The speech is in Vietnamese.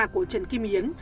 của trần kim yến